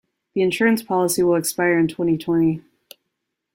The insurance policy will expire in twenty-twenty.